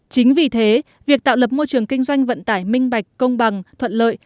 chính vì thế việc tạo lập môi trường kinh doanh vận tải minh bạch công bằng thuận lợi